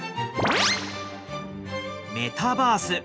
メタバース。